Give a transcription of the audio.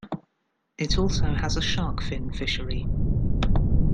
It also has a shark fin fishery.